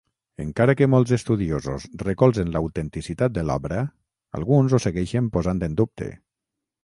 Encara que molts estudiosos recolzen l'autenticitat de l'obra, alguns ho segueixen posant en dubte.